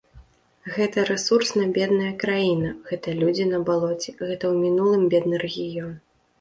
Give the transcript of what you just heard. Гэта рэсурсна бедная краіна, гэта людзі на балоце, гэта ў мінулым бедны рэгіён.